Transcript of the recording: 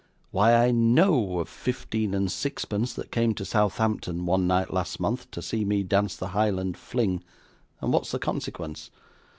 Why I KNOW of fifteen and sixpence that came to Southampton one night last month, to see me dance the Highland Fling; and what's the consequence?